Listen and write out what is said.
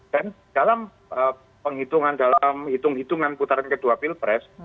dalam penghitungan dalam hitung hitungan putaran kedua pilpres